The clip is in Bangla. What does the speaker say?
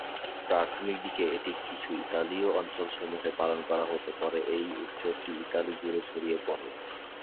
প্রাথমিক দিকে এটি কিছু ইতালীয় অঞ্চলসমূহে পালন করা হতো, পরে এই উৎসবটি ইতালি জুড়ে ছড়িয়ে পড়ে।